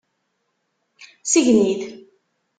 Sgen-it.